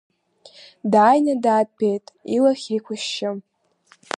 Дааины даатәеит илахь еиқәышьшьы.